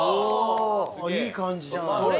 いい感じじゃない。